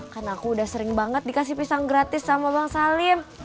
karena aku udah sering banget dikasih pisang gratis sama bang salim